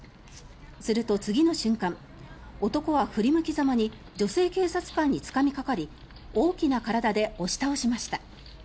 すると、次の瞬間男は振り向きざまに女性警察官につかみかかり大きな体で押し倒しました。